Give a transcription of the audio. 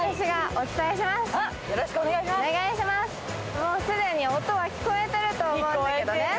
もう既に音が聞こえてると思うんだけどね